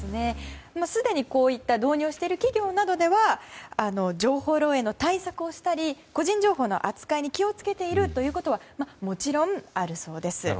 すでに導入している企業では情報漏洩の対策をしたり個人情報の扱いに気を付けているということはもちろんあるそうです。